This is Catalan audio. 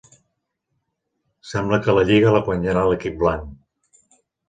Sembla que la lliga la guanyarà l'equip blanc.